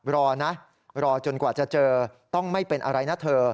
รอนะรอจนกว่าจะเจอต้องไม่เป็นอะไรนะเธอ